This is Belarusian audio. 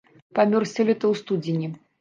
Памёр сёлета ў студзені.